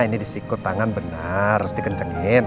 ini disikur tangan benar harus dikencengin